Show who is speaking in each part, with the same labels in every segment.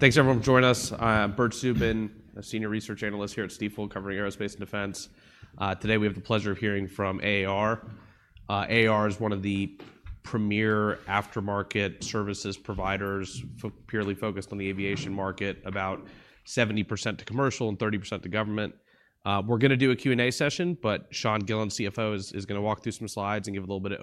Speaker 1: Thanks everyone for joining us. I'm Bert Subin, a senior research analyst here at Stifel, covering aerospace and defense. Today we have the pleasure of hearing from AAR. AAR is one of the premier aftermarket services providers purely focused on the aviation market, about 70% to commercial and 30% to government. We're gonna do a Q&A session, but Sean Gillen, CFO, is gonna walk through some slides and give a little bit of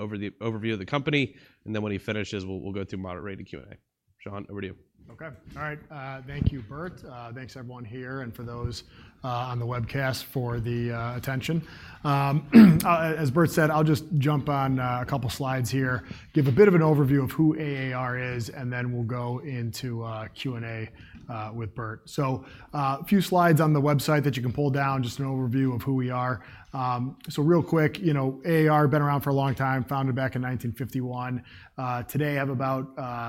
Speaker 1: overview of the company, and then when he finishes, we'll go through moderated Q&A. Sean, over to you.
Speaker 2: Okay. All right. Thank you, Bert. Thanks everyone here, and for those on the webcast for the attention. As Bert said, I'll just jump on a couple slides here, give a bit of an overview of who AAR is, and then we'll go into Q&A with Bert. So, a few slides on the website that you can pull down, just an overview of who we are. So real quick, you know, AAR, been around for a long time, founded back in 1951. Today, I have about,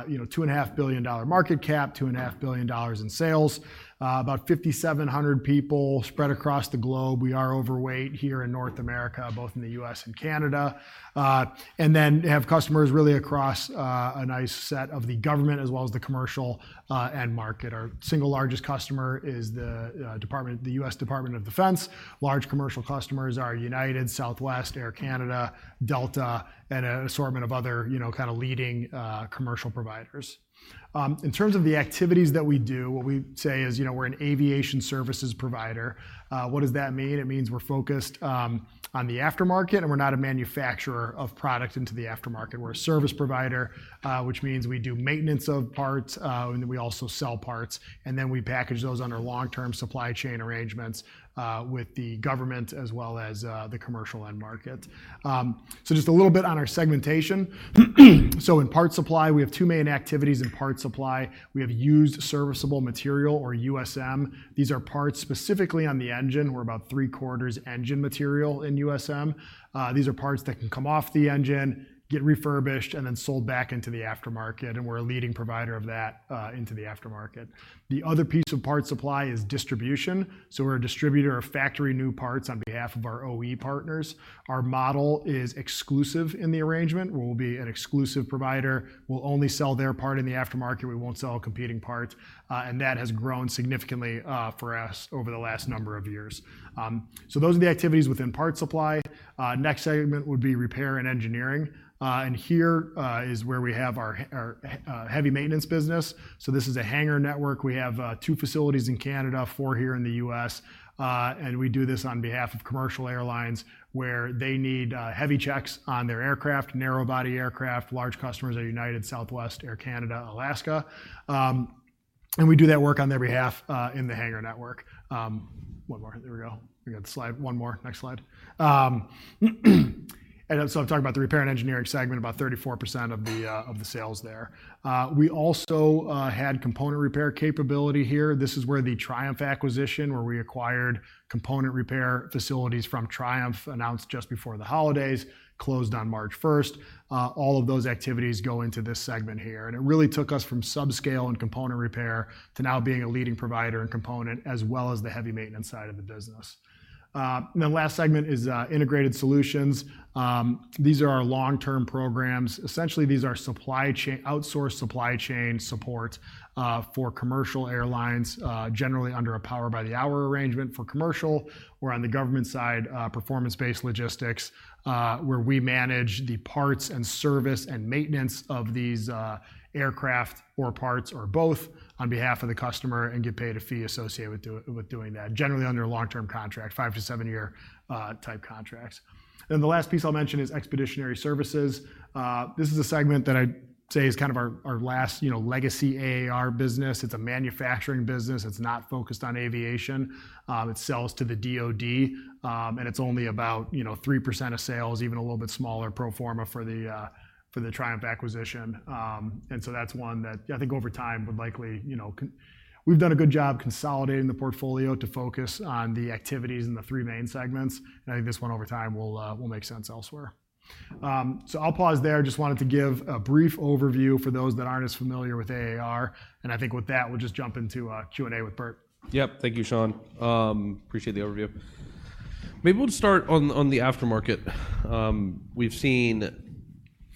Speaker 2: you know, $2.5 billion market cap, $2.5 billion in sales, about 5,700 people spread across the globe. We are overweight here in North America, both in the U.S. and Canada. And then have customers really across a nice set of the government, as well as the commercial end market. Our single largest customer is the department—the U.S. Department of Defense. Large commercial customers are United, Southwest, Air Canada, Delta, and an assortment of other, you know, kinda leading commercial providers. In terms of the activities that we do, what we say is, you know, we're an aviation services provider. What does that mean? It means we're focused on the aftermarket, and we're not a manufacturer of product into the aftermarket. We're a service provider, which means we do maintenance of parts, and then we also sell parts, and then we package those under long-term supply chain arrangements with the government, as well as the commercial end market. So just a little bit on our segmentation. In Parts Supply, we have two main activities in Parts Supply. We have Used Serviceable Material, or USM. These are parts specifically on the engine. We're about three-quarters engine material in USM. These are parts that can come off the engine, get refurbished, and then sold back into the aftermarket, and we're a leading provider of that, into the aftermarket. The other piece of Parts Supply is distribution. We're a distributor of factory new parts on behalf of our OE partners. Our model is exclusive in the arrangement, where we'll be an exclusive provider. We'll only sell their part in the aftermarket. We won't sell competing parts, and that has grown significantly, for us over the last number of years. Those are the activities within Parts Supply. Next segment would be Repair and Engineering, and here is where we have our heavy maintenance business. So this is a hangar network. We have two facilities in Canada, four here in the U.S., and we do this on behalf of commercial airlines, where they need heavy checks on their aircraft, narrow body aircraft. Large customers are United, Southwest, Air Canada, Alaska. And we do that work on their behalf in the hangar network. And so I'm talking about the Repair and Engineering segment, about 34% of the sales there. We also had component repair capability here. This is where the Triumph acquisition, where we acquired component repair facilities from Triumph, announced just before the holidays, closed on March first. All of those activities go into this segment here, and it really took us from subscale and component repair to now being a leading provider and component, as well as the heavy maintenance side of the business. And then last segment is Integrated Solutions. These are our long-term programs. Essentially, these are supply chain outsourced supply chain support for commercial airlines, generally under a power by the hour arrangement for commercial, or on the government side, performance-based logistics, where we manage the parts and service and maintenance of these aircraft or parts or both on behalf of the customer and get paid a fee associated with with doing that, generally under a long-term contract, five to seven year type contracts. Then the last piece I'll mention is Expeditionary Services. This is a segment that I'd say is kind of our last, you know, legacy AAR business. It's a manufacturing business. It's not focused on aviation. It sells to the DoD, and it's only about, you know, 3% of sales, even a little bit smaller pro forma for the Triumph acquisition. So that's one that I think over time would likely, you know,... We've done a good job consolidating the portfolio to focus on the activities in the three main segments, and I think this one over time will make sense elsewhere. So I'll pause there. Just wanted to give a brief overview for those that aren't as familiar with AAR, and I think with that, we'll just jump into Q&A with Bert.
Speaker 1: Yep. Thank you, Sean. Appreciate the overview. Maybe we'll start on the aftermarket. We've seen,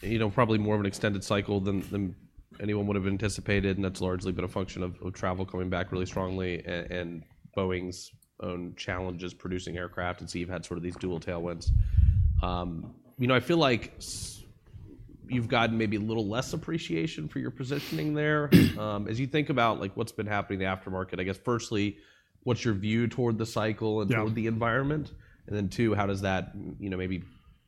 Speaker 1: you know, probably more of an extended cycle than anyone would have anticipated, and that's largely been a function of travel coming back really strongly and Boeing's own challenges producing aircraft, and so you've had sort of these dual tailwinds. You know, I feel like you've gotten maybe a little less appreciation for your positioning there. As you think about, like, what's been happening in the aftermarket, I guess, firstly, what's your view toward the cycle-
Speaker 2: Yeah...
Speaker 1: and toward the environment? And then two, how does that, you know, maybe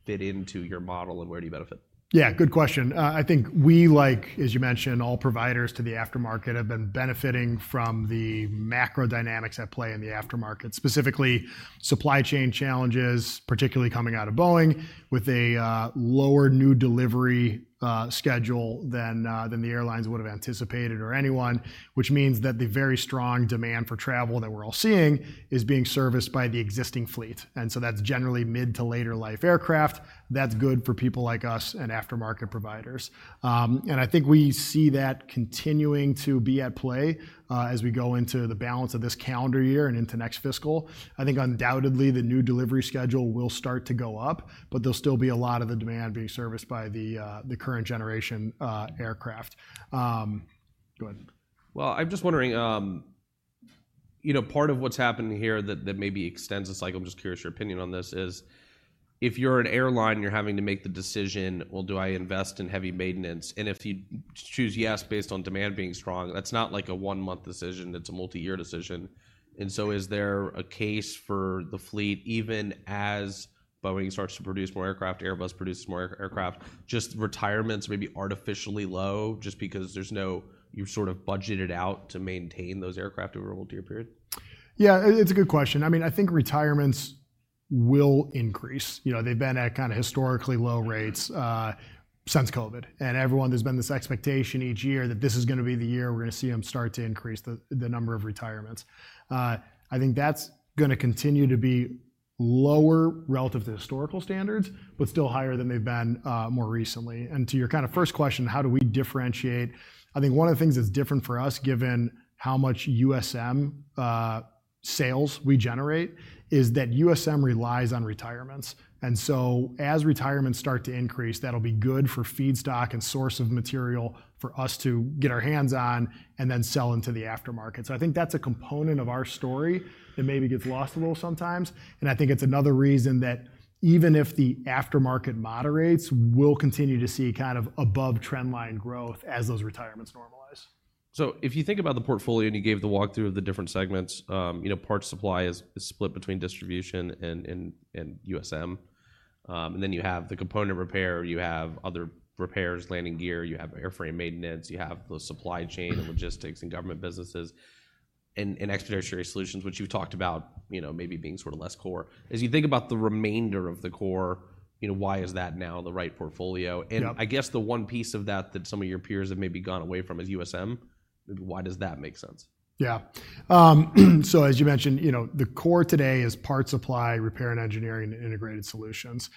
Speaker 1: fit into your model, and where do you benefit?
Speaker 2: Yeah, good question. I think we, like, as you mentioned, all providers to the aftermarket have been benefiting from the macro dynamics at play in the aftermarket, specifically supply chain challenges, particularly coming out of Boeing, with a lower new delivery schedule than the airlines would have anticipated or anyone, which means that the very strong demand for travel that we're all seeing is being serviced by the existing fleet, and so that's generally mid to later life aircraft. That's good for people like us and aftermarket providers. And I think we see that continuing to be at play, as we go into the balance of this calendar year and into next fiscal. I think undoubtedly the new delivery schedule will start to go up, but there'll still be a lot of the demand being serviced by the current generation aircraft. Go ahead.
Speaker 1: Well, I'm just wondering, you know, part of what's happening here that maybe extends the cycle. I'm just curious your opinion on this: is if you're an airline and you're having to make the decision: Well, do I invest in heavy maintenance? And if you choose yes, based on demand being strong, that's not like a one-month decision, it's a multi-year decision. And so is there a case for the fleet, even as Boeing starts to produce more aircraft, Airbus produces more aircraft, just retirements may be artificially low just because you've sort of budgeted out to maintain those aircraft over a multi-year period?
Speaker 2: Yeah, it's a good question. I mean, I think retirements will increase. You know, they've been at kinda historically low rates since COVID. And everyone, there's been this expectation each year that this is gonna be the year we're gonna see them start to increase the, the number of retirements. I think that's gonna continue to be lower relative to historical standards, but still higher than they've been more recently. And to your kinda first question, how do we differentiate? I think one of the things that's different for us, given how much USM sales we generate, is that USM relies on retirements. And so, as retirements start to increase, that'll be good for feedstock and source of material for us to get our hands on, and then sell into the aftermarket. So I think that's a component of our story that maybe gets lost a little sometimes, and I think it's another reason that even if the aftermarket moderates, we'll continue to see kind of above trend line growth as those retirements normalize.
Speaker 1: So if you think about the portfolio, and you gave the walkthrough of the different segments, you know, Parts Supply is split between distribution and USM. And then you have the component repair, you have other repairs, landing gear, you have airframe maintenance, you have the supply chain and logistics and government businesses, and expeditionary solutions, which you talked about, you know, maybe being sort of less core. As you think about the remainder of the core, you know, why is that now the right portfolio?
Speaker 2: Yeah.
Speaker 1: I guess the one piece of that, that some of your peers have maybe gone away from is USM. Why does that make sense?
Speaker 2: Yeah. So as you mentioned, you know, the core today is part supply, Repair and Engineering, and Integrated Solutions.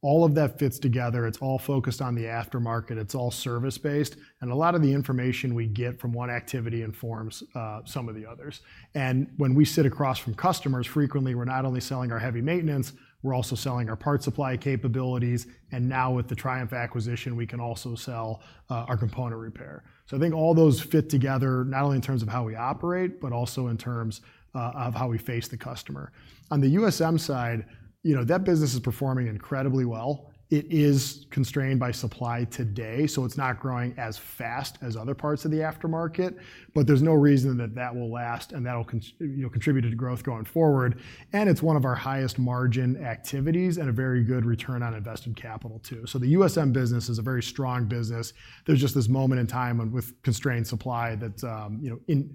Speaker 2: All of that fits together. It's all focused on the aftermarket. It's all service-based, and a lot of the information we get from one activity informs some of the others. And when we sit across from customers, frequently, we're not only selling our heavy maintenance, we're also selling our Parts Supply capabilities, and now with the Triumph acquisition, we can also sell our component repair. So I think all those fit together, not only in terms of how we operate, but also in terms of how we face the customer. On the USM side, you know, that business is performing incredibly well. It is constrained by supply today, so it's not growing as fast as other parts of the aftermarket, but there's no reason that that will last, and that'll contribute to the growth going forward. You know, and it's one of our highest margin activities and a very good return on invested capital, too. So the USM business is a very strong business. There's just this moment in time when with constrained supply, that, you know, in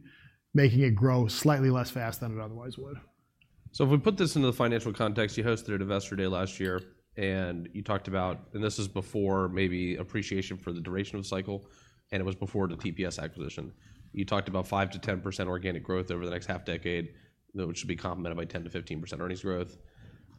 Speaker 2: making it grow slightly less fast than it otherwise would.
Speaker 1: So if we put this into the financial context, you hosted Investor Day last year, and you talked about... This is before maybe appreciation for the duration of the cycle, and it was before the TPS acquisition. You talked about 5%-10% organic growth over the next half decade, which should be complemented by 10%-15% earnings growth.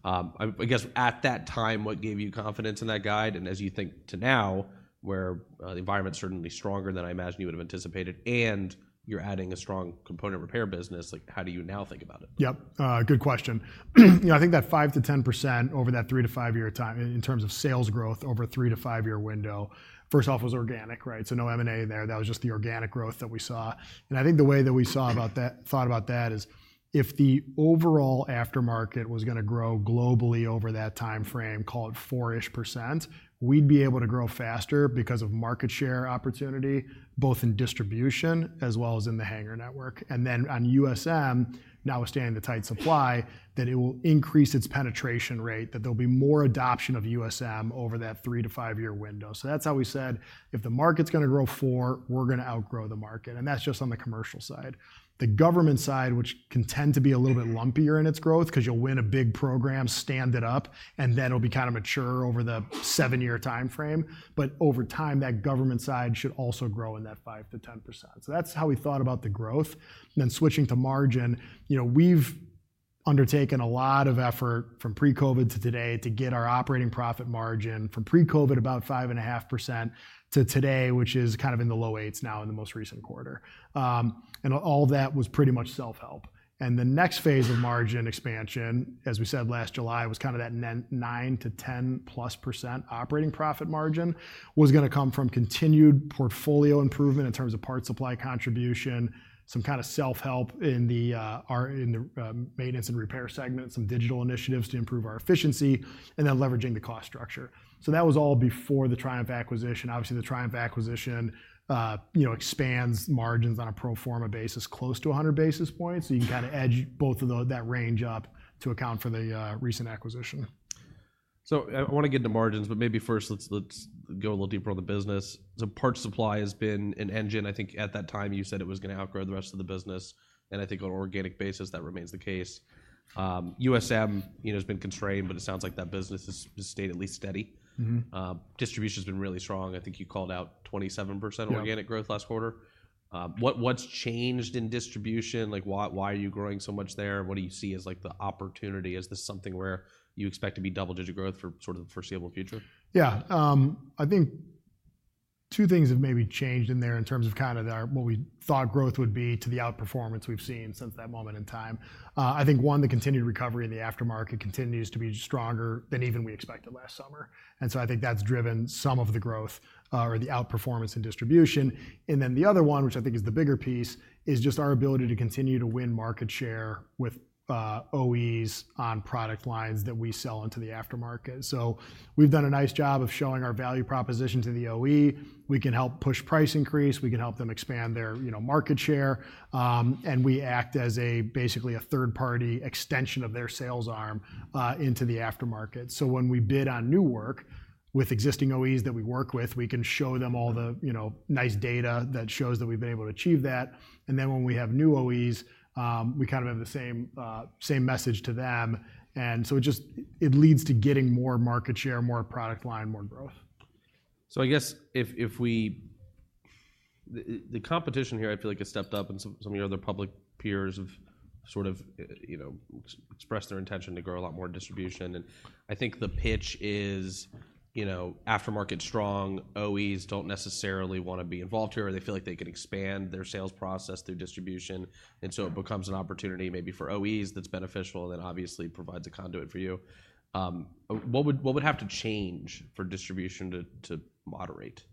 Speaker 1: I guess, at that time, what gave you confidence in that guide, and as you think to now, where the environment's certainly stronger than I imagine you would've anticipated, and you're adding a strong component repair business, like, how do you now think about it?
Speaker 2: Yep, good question. You know, I think that 5%-10% over that three to five-year time, in terms of sales growth over a three to five-year window, first off, was organic, right? So no M&A there, that was just the organic growth that we saw. And I think the way that we saw about that- thought about that is, if the overall aftermarket was gonna grow globally over that timeframe, call it 4-ish%, we'd be able to grow faster because of market share opportunity, both in distribution as well as in the hangar network. And then on USM, notwithstanding the tight supply, that it will increase its penetration rate, that there'll be more adoption of USM over that three to five-year window. So that's how we said, "If the market's gonna grow four, we're gonna outgrow the market." And that's just on the commercial side. The government side, which can tend to be a little bit lumpier in its growth, 'cause you'll win a big program, stand it up, and then it'll be kinda mature over the seven-year timeframe, but over time, that government side should also grow in that 5%-10%. So that's how we thought about the growth. Then switching to margin, you know, we've undertaken a lot of effort from pre-COVID to today to get our operating profit margin from pre-COVID, about 5.5%, to today, which is kind of in the low 8s now in the most recent quarter. And all that was pretty much self-help. And the next phase of margin expansion, as we said last July, was kind of that 9%-10%+ operating profit margin, was gonna come from continued portfolio improvement in terms of part supply contribution, some kind of self-help in the our in the maintenance and repair segment, some digital initiatives to improve our efficiency, and then leveraging the cost structure. So that was all before the Triumph acquisition. Obviously, the Triumph acquisition, you know, expands margins on a pro forma basis, close to 100 basis points, so you can kinda edge both of that range up to account for the recent acquisition.
Speaker 1: So I wanna get into margins, but maybe first let's go a little deeper on the business. The Parts Supply has been an engine. I think at that time, you said it was gonna outgrow the rest of the business, and I think on an organic basis, that remains the case. USM, you know, has been constrained, but it sounds like that business has stayed at least steady.
Speaker 2: Mm-hmm.
Speaker 1: Distribution's been really strong. I think you called out 27%-
Speaker 2: Yeah...
Speaker 1: organic growth last quarter. What, what's changed in distribution? Like, why, why are you growing so much there? What do you see as, like, the opportunity? Is this something where you expect to be double-digit growth for sort of the foreseeable future?
Speaker 2: Yeah, I think two things have maybe changed in there in terms of kind of our, what we thought growth would be to the outperformance we've seen since that moment in time. I think, one, the continued recovery in the aftermarket continues to be stronger than even we expected last summer, and so I think that's driven some of the growth, or the outperformance in distribution. And then the other one, which I think is the bigger piece, is just our ability to continue to win market share with OEs on product lines that we sell into the aftermarket. So we've done a nice job of showing our value proposition to the OE. We can help push price increase, we can help them expand their, you know, market share, and we act as a, basically a third-party extension of their sales arm, into the aftermarket. So when we bid on new work with existing OEs that we work with, we can show them all the, you know, nice data that shows that we've been able to achieve that, and then when we have new OEs, we kind of have the same, same message to them. And so it just leads to getting more market share, more product line, more growth.
Speaker 1: So the competition here, I feel like, has stepped up, and some of your other public peers have sort of, you know, expressed their intention to grow a lot more distribution. And I think the pitch is, you know, aftermarket strong, OEs don't necessarily want to be involved here, or they feel like they can expand their sales process through distribution, and so it becomes an opportunity maybe for OEs that's beneficial and that obviously provides a conduit for you. What would have to change for distribution to moderate?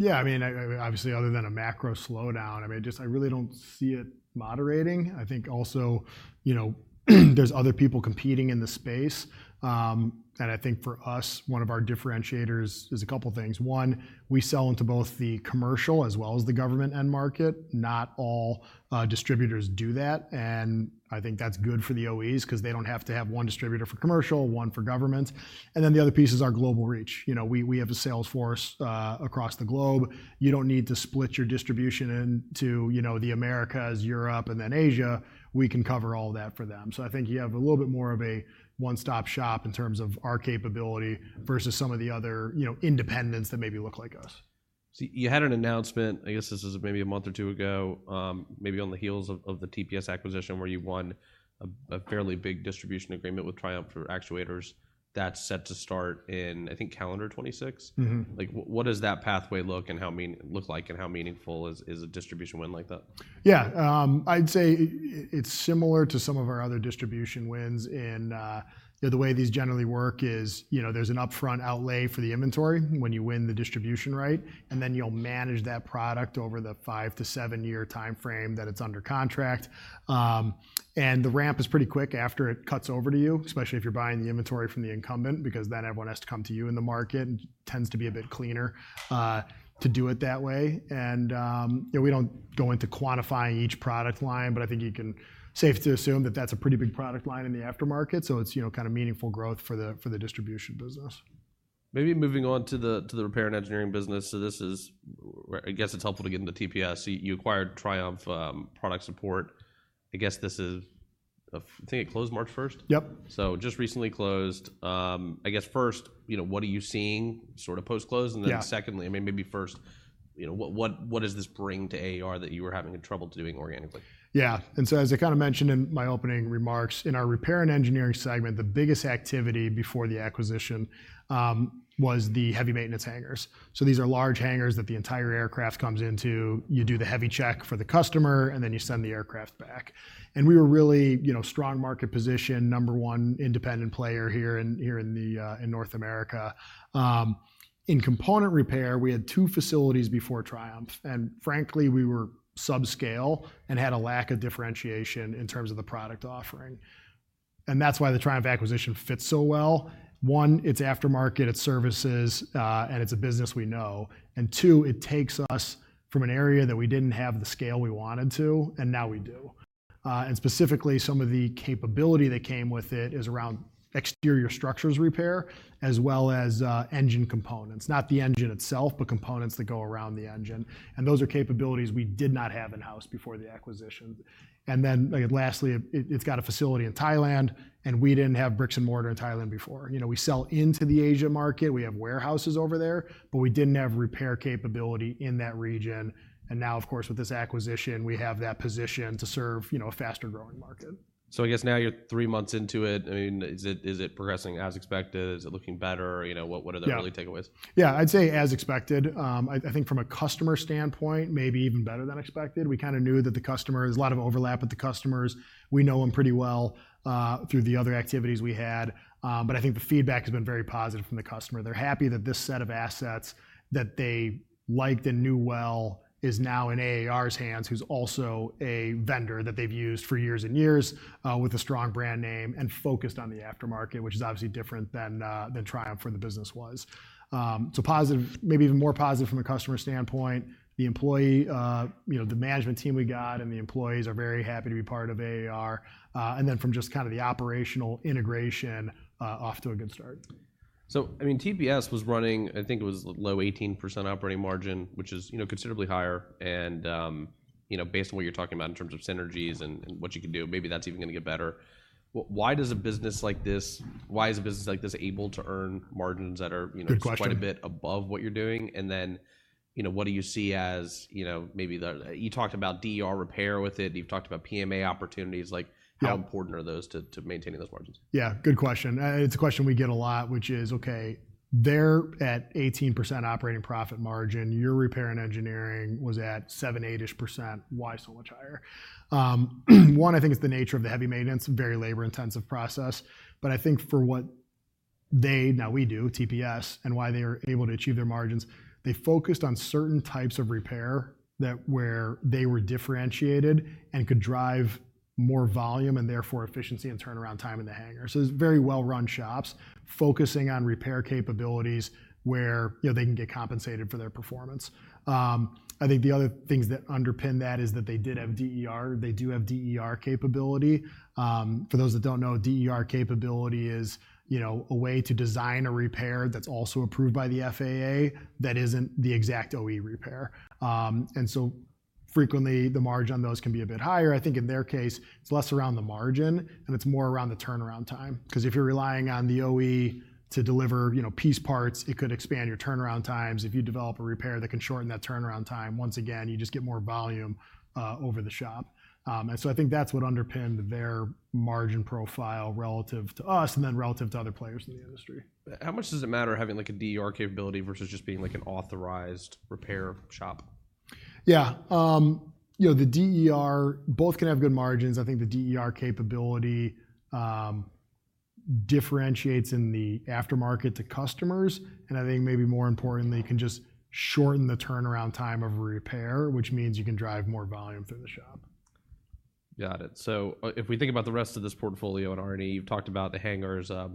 Speaker 2: Yeah, I mean, obviously, other than a macro slowdown, I mean, just I really don't see it moderating. I think also, you know, there's other people competing in the space. And I think for us, one of our differentiators is a couple things. One, we sell into both the commercial as well as the government end market. Not all distributors do that, and I think that's good for the OEs 'cause they don't have to have one distributor for commercial, one for government. And then the other piece is our global reach. You know, we have a sales force across the globe. You don't need to split your distribution into, you know, the Americas, Europe, and then Asia. We can cover all that for them. So I think you have a little bit more of a one-stop shop in terms of our capability versus some of the other, you know, independents that maybe look like us.
Speaker 1: So you had an announcement, I guess this is maybe a month or two ago, maybe on the heels of the TPS acquisition, where you won a fairly big distribution agreement with Triumph for actuators. That's set to start in, I think, calendar 2026?
Speaker 2: Mm-hmm.
Speaker 1: Like, what does that pathway look like, and how meaningful is a distribution win like that?
Speaker 2: Yeah, I'd say it's similar to some of our other distribution wins. You know, the way these generally work is, you know, there's an upfront outlay for the inventory when you win the distribution right, and then you'll manage that product over the five to seven-year timeframe that it's under contract. And the ramp is pretty quick after it cuts over to you, especially if you're buying the inventory from the incumbent, because then everyone has to come to you in the market and tends to be a bit cleaner to do it that way. You know, we don't go into quantifying each product line, but I think you can safely assume that that's a pretty big product line in the aftermarket, so it's, you know, kind of meaningful growth for the distribution business.
Speaker 1: Maybe moving on to the Repair and Engineering business. So this is, I guess it's helpful to get into TPS. So you acquired Triumph Product Support. I guess this is a... I think it closed March 1st?
Speaker 2: Yep.
Speaker 1: Just recently closed. I guess first, you know, what are you seeing sort of post-close?
Speaker 2: Yeah.
Speaker 1: And then secondly, I mean, maybe first, you know, what does this bring to AAR that you were having trouble doing organically?
Speaker 2: Yeah. And so, as I kind of mentioned in my opening remarks, in our Repair and Engineering segment, the biggest activity before the acquisition was the heavy maintenance hangars. So these are large hangars that the entire aircraft comes into. You do the heavy check for the customer, and then you send the aircraft back. And we were really, you know, strong market position, number one independent player here in North America. In component repair, we had two facilities before Triumph, and frankly, we were subscale and had a lack of differentiation in terms of the product offering, and that's why the Triumph acquisition fits so well. One, it's aftermarket, it's services, and it's a business we know. And two, it takes us from an area that we didn't have the scale we wanted to, and now we do. And specifically, some of the capability that came with it is around exterior structures repair, as well as, engine components. Not the engine itself, but components that go around the engine, and those are capabilities we did not have in-house before the acquisition. And then, like, lastly, it's got a facility in Thailand, and we didn't have bricks-and-mortar in Thailand before. You know, we sell into the Asia market, we have warehouses over there, but we didn't have repair capability in that region. And now, of course, with this acquisition, we have that position to serve, you know, a faster-growing market.
Speaker 1: I guess now you're three months into it. I mean, is it progressing as expected? Is it looking better? You know, what are the-
Speaker 2: Yeah...
Speaker 1: really takeaways?
Speaker 2: Yeah, I'd say as expected. I think from a customer standpoint, maybe even better than expected. We kind of knew that the customer... There's a lot of overlap with the customers. We know them pretty well through the other activities we had, but I think the feedback has been very positive from the customer. They're happy that this set of assets that they liked and knew well is now in AAR's hands, who's also a vendor that they've used for years and years with a strong brand name and focused on the aftermarket, which is obviously different than Triumph from the business was. So positive, maybe even more positive from a customer standpoint. The employee, you know, the management team we got and the employees are very happy to be part of AAR. And then from just kind of the operational integration, off to a good start.
Speaker 1: So, I mean, TPS was running, I think it was low 18% operating margin, which is, you know, considerably higher. And, you know, based on what you're talking about in terms of synergies and, and what you can do, maybe that's even gonna get better. Why does a business like this, why is a business like this able to earn margins that are, you know-
Speaker 2: Good question...
Speaker 1: quite a bit above what you're doing? And then, you know, what do you see as, you know, maybe the... You talked about DER repair with it, you've talked about PMA opportunities, like-
Speaker 2: Yeah...
Speaker 1: how important are those to maintaining those margins?
Speaker 2: Yeah, good question, and it's a question we get a lot, which is: Okay, they're at 18% operating profit margin. Your Repair and Engineering was at 7%-8%. Why so much higher? One, I think it's the nature of the heavy maintenance, very labor-intensive process. But I think they, now we do, TPS, and why they are able to achieve their margins. They focused on certain types of repair that, where they were differentiated and could drive more volume, and therefore efficiency and turnaround time in the hangar. So it's very well-run shops focusing on repair capabilities where, you know, they can get compensated for their performance. I think the other things that underpin that is that they did have DER. They do have DER capability. For those that don't know, DER capability is, you know, a way to design a repair that's also approved by the FAA that isn't the exact OE repair. And so frequently, the margin on those can be a bit higher. I think in their case, it's less around the margin, and it's more around the turnaround time. 'Cause if you're relying on the OE to deliver, you know, piece parts, it could expand your turnaround times. If you develop a repair that can shorten that turnaround time, once again, you just get more volume over the shop. And so I think that's what underpinned their margin profile relative to us and then relative to other players in the industry.
Speaker 1: How much does it matter having, like, a DER capability versus just being, like, an authorized repair shop?
Speaker 2: Yeah. You know, the DER both can have good margins. I think the DER capability differentiates in the aftermarket to customers, and I think maybe more importantly, can just shorten the turnaround time of a repair, which means you can drive more volume through the shop.
Speaker 1: Got it. So, if we think about the rest of this portfolio, and already you've talked about the hangars, I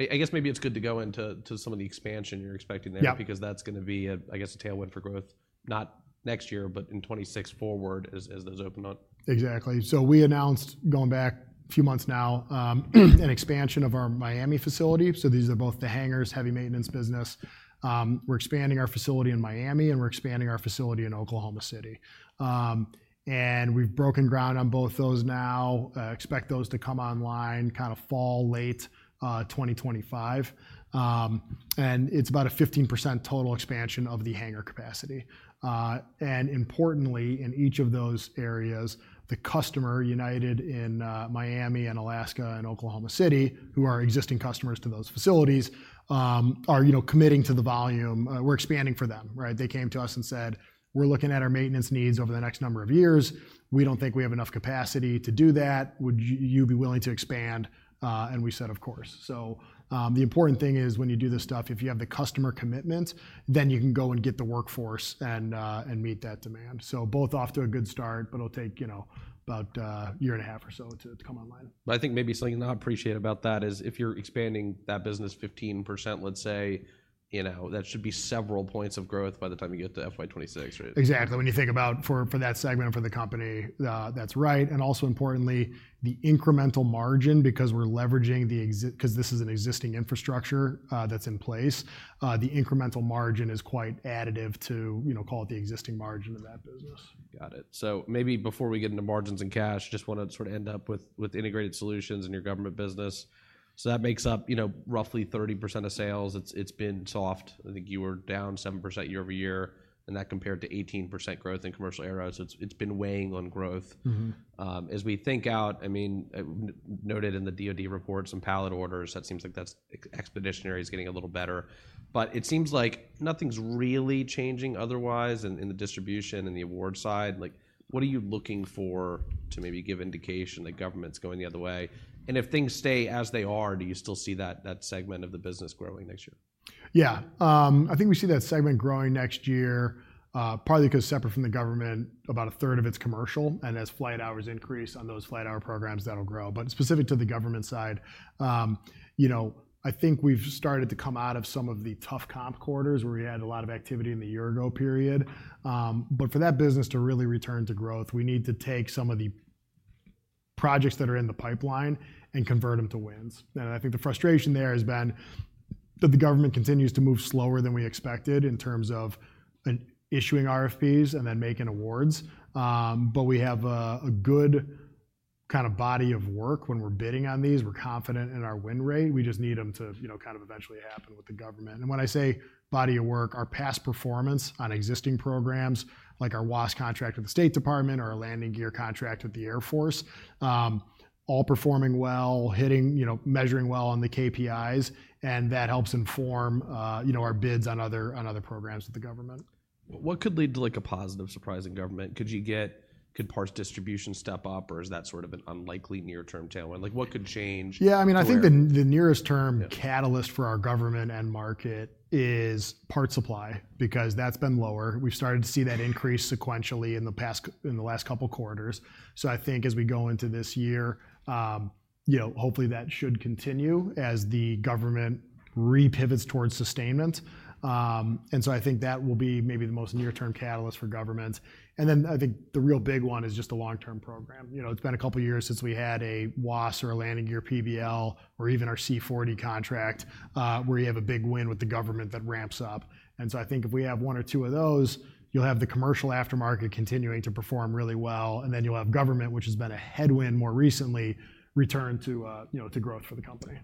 Speaker 1: guess maybe it's good to go into some of the expansion you're expecting there-
Speaker 2: Yeah...
Speaker 1: because that's gonna be a, I guess, a tailwind for growth, not next year, but in 2026 forward as, as those open up.
Speaker 2: Exactly. So we announced, going back a few months now, an expansion of our Miami facility. So these are both the hangars, heavy maintenance business. We're expanding our facility in Miami, and we're expanding our facility in Oklahoma City. And we've broken ground on both those now. Expect those to come online kind of fall, late 2025. And it's about a 15% total expansion of the hangar capacity. And importantly, in each of those areas, the customer, United in Miami and Alaska and Oklahoma City, who are existing customers to those facilities, are, you know, committing to the volume. We're expanding for them, right? They came to us and said, "We're looking at our maintenance needs over the next number of years. We don't think we have enough capacity to do that. Would you be willing to expand? And we said, "Of course." So, the important thing is when you do this stuff, if you have the customer commitment, then you can go and get the workforce and, and meet that demand. So both off to a good start, but it'll take, you know, about, a year and a half or so to come online.
Speaker 1: But I think maybe something not appreciated about that is, if you're expanding that business 15%, let's say, you know, that should be several points of growth by the time you get to FY 2026, right?
Speaker 2: Exactly. When you think about for that segment, for the company, that's right, and also importantly, the incremental margin, because we're leveraging the existing infrastructure, 'cause this is an existing infrastructure that's in place, the incremental margin is quite additive to, you know, call it the existing margin of that business.
Speaker 1: Got it. So maybe before we get into margins and cash, just wanna sort of end up with Integrated Solutions in your government business. So that makes up, you know, roughly 30% of sales. It's been soft. I think you were down 7% year-over-year, and that compared to 18% growth in commercial aerospace. It's been weighing on growth.
Speaker 2: Mm-hmm.
Speaker 1: As we think out, I mean, noted in the DoD reports and pallet orders, that seems like that's expeditionary is getting a little better. But it seems like nothing's really changing otherwise in the distribution and the awards side. Like, what are you looking for to maybe give indication that government's going the other way? And if things stay as they are, do you still see that segment of the business growing next year?
Speaker 2: Yeah, I think we see that segment growing next year, partly because separate from the government, about 1/3 of it's commercial, and as flight hours increase on those flight hour programs, that'll grow. But specific to the government side, you know, I think we've started to come out of some of the tough comp quarters where we had a lot of activity in the year ago period. But for that business to really return to growth, we need to take some of the projects that are in the pipeline and convert them to wins. And I think the frustration there has been that the government continues to move slower than we expected in terms of issuing RFPs and then making awards. But we have a good kind of body of work when we're bidding on these. We're confident in our win rate. We just need them to, you know, kind of eventually happen with the government. And when I say body of work, our past performance on existing programs, like our WASS contract with the State Department or our landing gear contract with the Air Force, all performing well, hitting... you know, measuring well on the KPIs, and that helps inform, you know, our bids on other programs with the government.
Speaker 1: What could lead to, like, a positive surprise in government? Could parts distribution step up, or is that sort of an unlikely near-term tailwind? Like, what could change-
Speaker 2: Yeah, I mean-
Speaker 1: -or-...
Speaker 2: I think the nearest term-
Speaker 1: Yeah
Speaker 2: Catalyst for our government and market is part supply, because that's been lower. We've started to see that increase sequentially in the past, in the last couple quarters. So I think as we go into this year, you know, hopefully that should continue as the government re-pivots towards sustainment. And so I think that will be maybe the most near-term catalyst for government. And then I think the real big one is just a long-term program. You know, it's been a couple years since we had a WASS or a landing gear PBL or even our C-40 contract, where you have a big win with the government that ramps up. And so I think if we have one or two of those, you'll have the commercial aftermarket continuing to perform really well, and then you'll have government, which has been a headwind more recently, return to, you know, to growth for the company.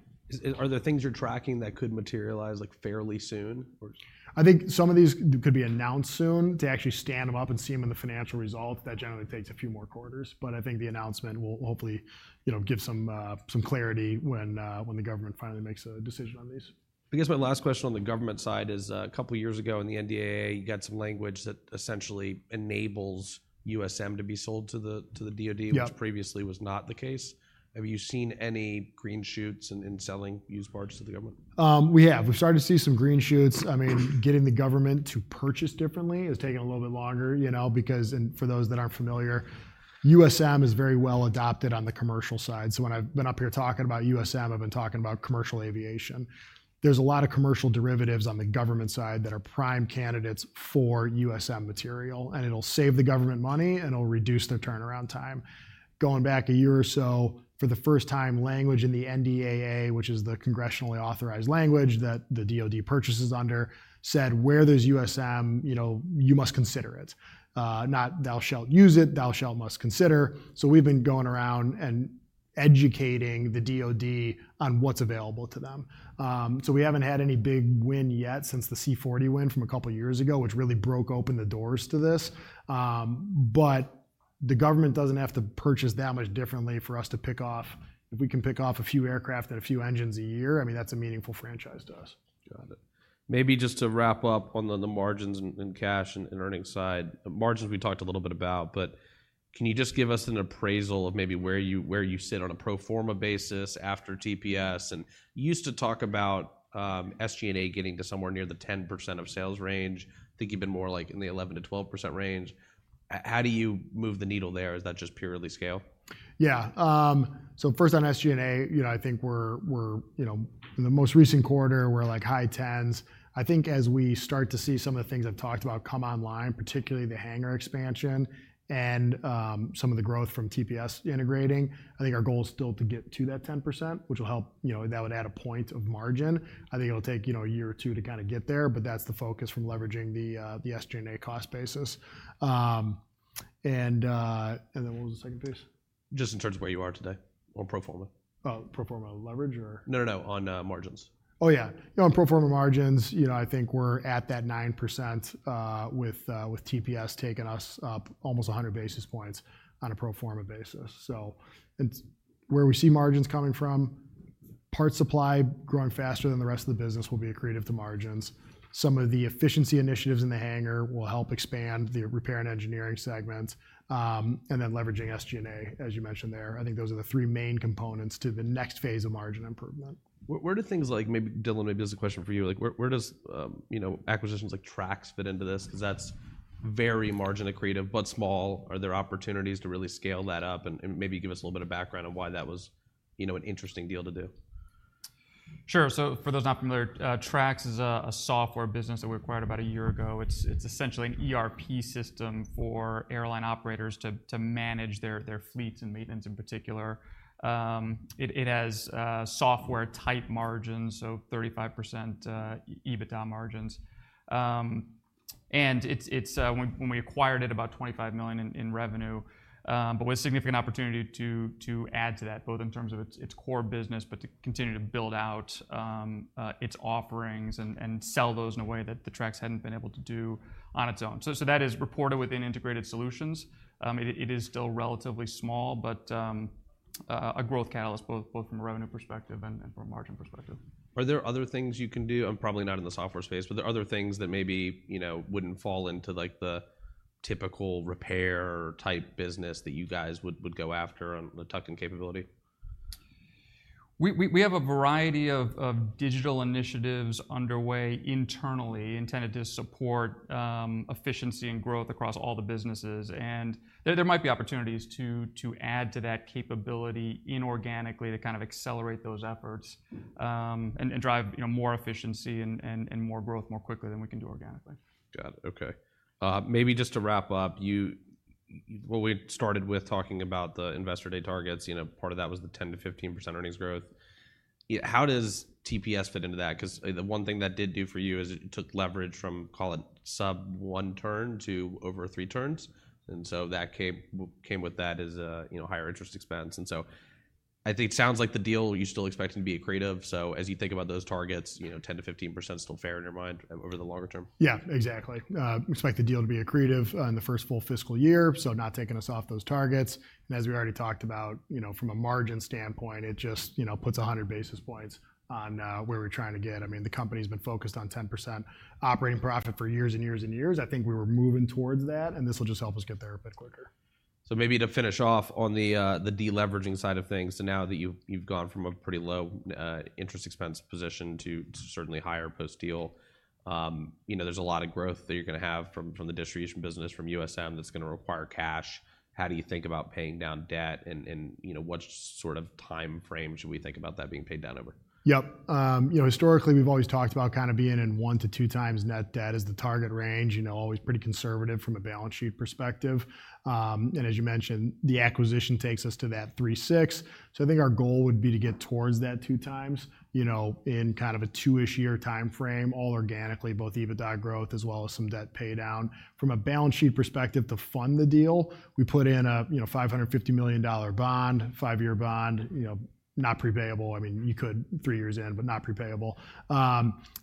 Speaker 1: Are there things you're tracking that could materialize, like, fairly soon, or?
Speaker 2: I think some of these could be announced soon. To actually stand them up and see them in the financial results, that generally takes a few more quarters, but I think the announcement will hopefully, you know, give some clarity when the government finally makes a decision on these....
Speaker 1: I guess my last question on the government side is, a couple of years ago in the NDAA, you got some language that essentially enables USM to be sold to the, to the DoD-
Speaker 2: Yeah.
Speaker 1: which previously was not the case. Have you seen any green shoots in selling used parts to the government?
Speaker 2: We're starting to see some green shoots. I mean, getting the government to purchase differently is taking a little bit longer, you know, because, and for those that aren't familiar, USM is very well adopted on the commercial side. So when I've been up here talking about USM, I've been talking about commercial aviation. There's a lot of commercial derivatives on the government side that are prime candidates for USM material, and it'll save the government money, and it'll reduce their turnaround time. Going back a year or so, for the first time, language in the NDAA, which is the congressionally authorized language that the DoD purchases under, said, "Where there's USM, you know, you must consider it." Not, "Thou shalt use it," "Thou shalt must consider." So we've been going around and educating the DoD on what's available to them. So we haven't had any big win yet since the C-40 win from a couple of years ago, which really broke open the doors to this. But the government doesn't have to purchase that much differently for us to pick off... If we can pick off a few aircraft and a few engines a year, I mean, that's a meaningful franchise to us.
Speaker 1: Got it. Maybe just to wrap up on the margins and cash and earnings side. Margins, we talked a little bit about, but can you just give us an appraisal of maybe where you sit on a pro forma basis after TPS? And you used to talk about SG&A getting to somewhere near the 10% of sales range. I think you've been more like in the 11%-12% range. How do you move the needle there? Is that just purely scale?
Speaker 2: Yeah. So first on SG&A, you know, I think we're in the most recent quarter, we're like high tens. I think as we start to see some of the things I've talked about come online, particularly the hangar expansion and some of the growth from TPS integrating, I think our goal is still to get to that 10%, which will help, you know, that would add a point of margin. I think it'll take a year or two to kind of get there, but that's the focus from leveraging the SG&A cost basis. And then what was the second piece?
Speaker 1: Just in terms of where you are today on pro forma.
Speaker 2: Oh, pro forma leverage or?
Speaker 1: No, no, no, on margins.
Speaker 2: Oh, yeah. You know, on pro forma margins, you know, I think we're at that 9%, with, with TPS taking us up almost 100 basis points on a pro forma basis. So and where we see margins coming from, Parts Supply growing faster than the rest of the business will be accretive to margins. Some of the efficiency initiatives in the hangar will help expand the Repair and Engineering segments, and then leveraging SG&A, as you mentioned there. I think those are the three main components to the next phase of margin improvement.
Speaker 1: Where do things like maybe, Dylan, maybe this is a question for you. Like, where does, you know, acquisitions like Trax fit into this? Because that's very margin accretive, but small. Are there opportunities to really scale that up and maybe give us a little bit of background on why that was, you know, an interesting deal to do?
Speaker 3: Sure, so for those not familiar, Trax is a software business that we acquired about a year ago. It's essentially an ERP system for airline operators to manage their fleets and maintenance in particular. It has software-type margins, so 35% EBITDA margins. And it's when we acquired it, about $25 million in revenue, but with significant opportunity to add to that, both in terms of its core business, but to continue to build out its offerings and sell those in a way that Trax hadn't been able to do on its own. That is reported within Integrated Solutions. It is still relatively small, but a growth catalyst, both from a revenue perspective and from a margin perspective.
Speaker 1: Are there other things you can do, and probably not in the software space, but are there other things that maybe, you know, wouldn't fall into, like, the typical repair-type business that you guys would go after on the tuck-in capability?
Speaker 3: We have a variety of digital initiatives underway internally, intended to support efficiency and growth across all the businesses. And there might be opportunities to add to that capability inorganically, to kind of accelerate those efforts, and drive, you know, more efficiency and more growth more quickly than we can do organically.
Speaker 1: Got it. Okay. Maybe just to wrap up, you—well, we started with talking about the Investor Day targets. You know, part of that was the 10%-15% earnings growth. Yeah, how does TPS fit into that? Because the one thing that did do for you is it took leverage from, call it, sub one turn to over three turns, and so that came, well, came with that is, you know, higher interest expense. And so I think it sounds like the deal you still expect to be accretive. So as you think about those targets, you know, 10%-15% still fair in your mind over the longer term?
Speaker 2: Yeah, exactly. We expect the deal to be accretive in the first full fiscal year, so not taking us off those targets. And as we already talked about, you know, from a margin standpoint, it just, you know, puts 100 basis points on where we're trying to get. I mean, the company's been focused on 10% operating profit for years and years and years. I think we were moving towards that, and this will just help us get there a bit quicker.
Speaker 1: So maybe to finish off on the, the deleveraging side of things. So now that you've, you've gone from a pretty low, interest expense position to certainly higher post-deal, you know, there's a lot of growth that you're gonna have from, from the distribution business, from USM, that's gonna require cash. How do you think about paying down debt, and, you know, what sort of time frame should we think about that being paid down over?
Speaker 2: Yep. You know, historically, we've always talked about kind of being in one to 2x net debt as the target range, you know, always pretty conservative from a balance sheet perspective. As you mentioned, the acquisition takes us to that three to six. So I think our goal would be to get towards that 2x, you know, in kind of a two-ish year time frame, all organically, both EBITDA growth as well as some debt paydown. From a balance sheet perspective to fund the deal, we put in a $550 million bond, five-year bond, you know, not prepayable. I mean, you could three years in, but not prepayable.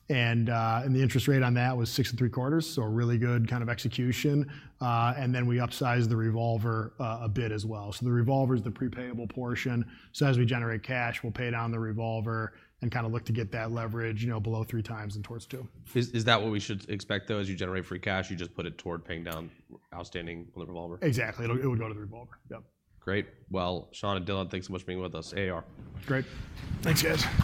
Speaker 2: The interest rate on that was 6.75%, so really good kind of execution. Then we upsized the revolver a bit as well. So the revolver is the prepayable portion, so as we generate cash, we'll pay down the revolver and kind of look to get that leverage, you know, below 3x and towards 2x.
Speaker 1: Is that what we should expect, though? As you generate free cash, you just put it toward paying down outstanding on the revolver?
Speaker 2: Exactly. It would go to the revolver. Yep.
Speaker 1: Great. Well, Sean and Dylan, thanks so much for being with us. AAR.
Speaker 2: Great. Thanks, guys.